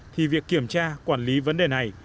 thì việc kiểm tra quản lý vấn đề này